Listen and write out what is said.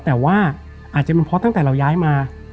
แต่ว่าอาจจะเป็นเพราะตั้งแต่เราย้ายมา